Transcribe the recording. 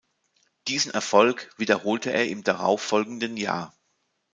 Diesen Erfolg wiederholte er im darauf folgenden Jahr.